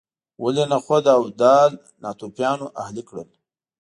ولې نخود او دال ناتوفیانو اهلي کړل.